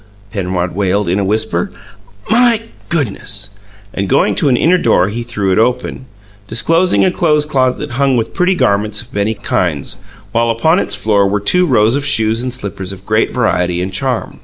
Penrod wailed, in a whisper. "My goodness!" And going to an inner door, he threw it open, disclosing a clothes closet hung with pretty garments of many kinds, while upon its floor were two rows of shoes and slippers of great variety and charm.